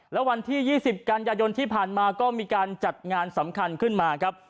แล้ววันที่๒๐กันยายนที่ผ่านมาก็มีการจัดงานสำคัญขึ้นมาครับ